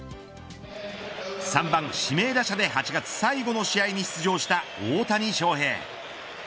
３番指名打者で８月最後の試合に出場した大谷翔平。